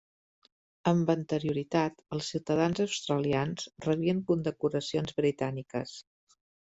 Amb anterioritat, els ciutadans australians rebien condecoracions britàniques.